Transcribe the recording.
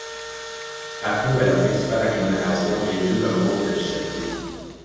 Aflou est la principale agglomération et joue le rôle de chef-lieu.